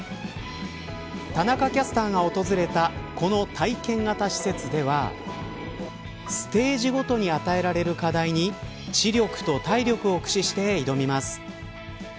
田中キャスターが訪れたこの体験型施設ではステージごとに与えられる課題に知力と体力を駆使して挑みます。